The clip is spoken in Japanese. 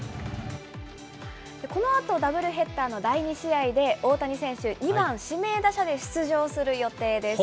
このあと、ダブルヘッダーの第２試合で、大谷選手、２番指名打者で出場する予定です。